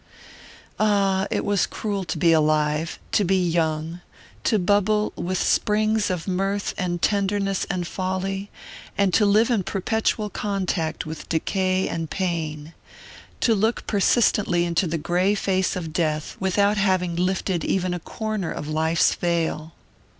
Ah, it was cruel to be alive, to be young, to bubble with springs of mirth and tenderness and folly, and to live in perpetual contact with decay and pain to look persistently into the grey face of death without having lifted even a corner of life's veil!